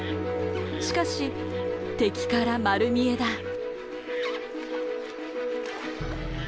しかし敵から丸見えだ。